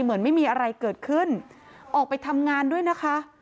เหมือนไม่มีอะไรเกิดขึ้นออกไปทำงานด้วยนะคะ